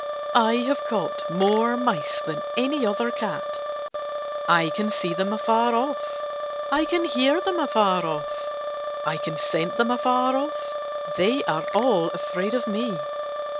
I have caught more mice than any other cat. I can see them afar off. I can hear them afar off. I can scent them afar off. They are all afraid of me.